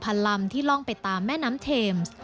พระองค์พันลำที่ล่องไปตามแม่น้ำเทมส์